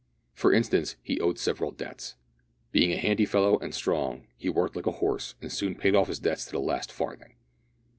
For instance, he owed several debts. Being a handy fellow and strong, he worked like a horse, and soon paid off his debts to the last farthing.